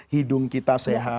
hidung kita sehat